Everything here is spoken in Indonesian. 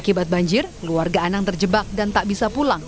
akibat banjir keluarga anang terjebak dan tak bisa pulang